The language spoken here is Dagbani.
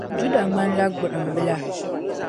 Juda ŋmanila gbuɣimbila.